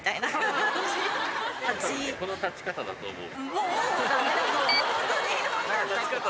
この立ち方だと思う。